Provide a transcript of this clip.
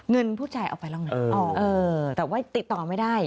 เงินผู้ชายเอาไปแล้วไงแต่ว่าติดต่อไม่ได้